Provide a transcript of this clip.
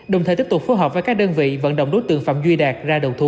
đồng thời tiếp tục phối hợp với các đơn vị vận động đối tượng phạm duy đạt ra đầu thú